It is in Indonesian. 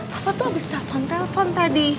papa tuh abis telfon telfon tadi